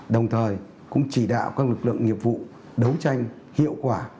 đồng thời cũng chỉ đạo các lực lượng nghiệp vụ đấu tranh hiệu quả